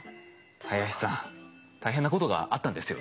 林さん大変なことがあったんですよね。